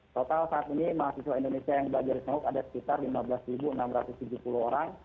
total saat ini mahasiswa indonesia yang belajar ada sekitar lima belas enam ratus tujuh puluh orang